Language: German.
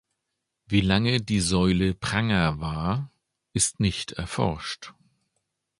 Wie lange die Säule Pranger war, ist nicht erforscht.